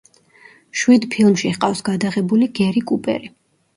შვიდ ფილმში ჰყავს გადაღებული გერი კუპერი.